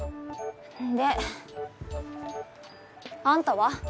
であんたは？